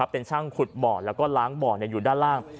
เป็นช่างขุดบ่อแล้วก็ล้างบ่ออยู่ด้านล่าง